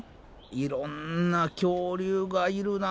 いろんな恐竜がいるな。